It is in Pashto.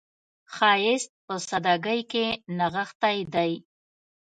ښایست په سادګۍ کې نغښتی دی